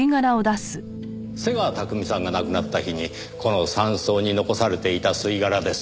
瀬川巧さんが亡くなった日にこの山荘に残されていた吸い殻です。